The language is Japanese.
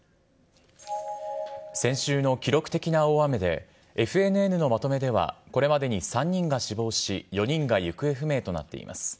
先週の記録的な大雨で、ＦＮＮのまとめではこれまでに３人が死亡し、４人が行方不明となっています。